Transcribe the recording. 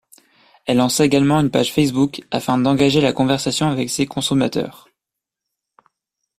Elle lance également une page Facebook afin d’engager la conversation avec ses consommateurs.